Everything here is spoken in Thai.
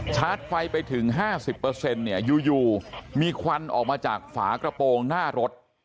ชาร์จไฟไปถึง๕๐อยู่มีควันออกมาจากฝากระโปรงหน้ารถ